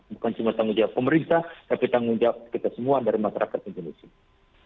bukan cuma tanggung jawab pemerintah tapi tanggung jawab kita semua dari masyarakat indonesia